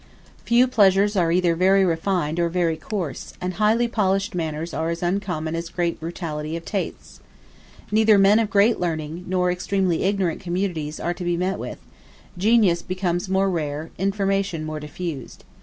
Few pleasures are either very refined or very coarse; and highly polished manners are as uncommon as great brutality of tastes. Neither men of great learning, nor extremely ignorant communities, are to be met with; genius becomes more rare, information more diffused.